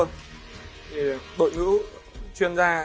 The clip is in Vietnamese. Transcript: thì đội ngũ chuyên gia